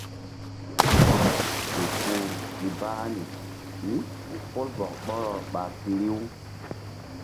Ɓɔrɔ ke kuh si ba hani mí pol bɔk ɓɔrɔ ɓa piru.